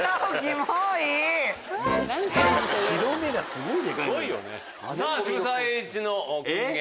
白目がすごいデカい。